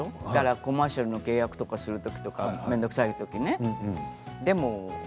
コマーシャルの契約をするとか面倒くさいときね。